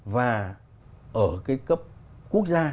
và ở cái cấp quốc gia